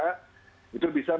itu bisa memiliki daya saing